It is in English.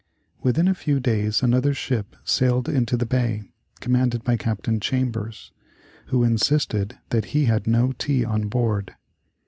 Within a few days another ship sailed into the bay, commanded by Captain Chambers, who insisted that he had no tea on board.